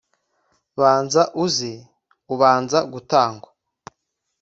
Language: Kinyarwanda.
banza uze, ubanza gutangwa